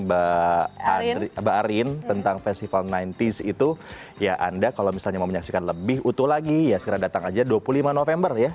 mbak arin tentang festival sembilan puluh itu ya anda kalau misalnya mau menyaksikan lebih utuh lagi ya segera datang aja dua puluh lima november ya